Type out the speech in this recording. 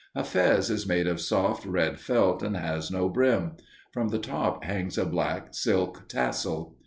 A fez is made of soft red felt and has no brim; from the top hangs a black silk tassel.